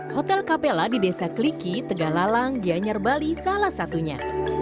hotel kapela di desa kliki tegalalang gianyar bali salah satunya